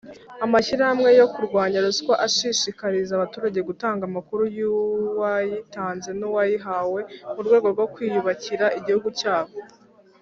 Amashyirahamwe yo kurwanya ruswa ashishikariza abaturage gutanga amakuru yuwayitanze n’uwayihawe murwego rwo kwiyubakira igihugu cyabo.